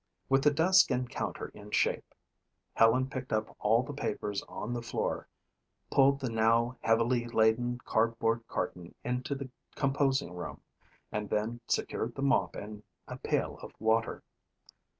With the desk and counter in shape, Helen picked up all of the papers on the floor, pulled the now heavily laden cardboard carton into the composing room, and then secured the mop and a pail of water.